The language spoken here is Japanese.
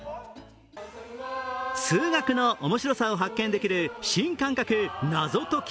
数学の面白さを発見できる新感覚謎解き